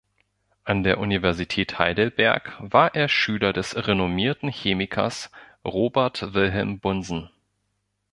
An der Universität Heidelberg war er Schüler des renommierten Chemikers Robert Wilhelm Bunsen.